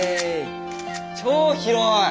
超広い！